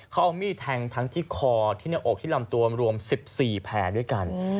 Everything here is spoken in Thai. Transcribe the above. เขาเอามีดแทงทั้งที่คอที่หน้าอกที่ลำตัวรวม๑๔แผลด้วยกัน